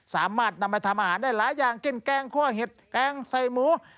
สามารถนำไปทำอาหารได้หลายอย่างเช่นแกงคั่วเห็ดแกงใส่หมู